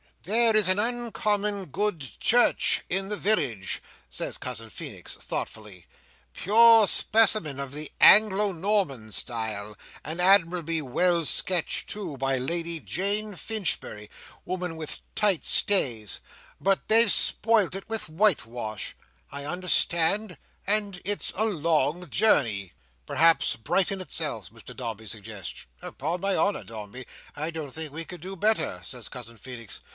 "There's an uncommon good church in the village," says Cousin Feenix, thoughtfully; "pure specimen of the Anglo Norman style, and admirably well sketched too by Lady Jane Finchbury—woman with tight stays—but they've spoilt it with whitewash, I understand, and it's a long journey." "Perhaps Brighton itself," Mr Dombey suggests. "Upon my honour, Dombey, I don't think we could do better," says Cousin Feenix.